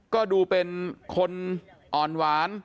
ก็ดูเป็นคนอ่อนหวาน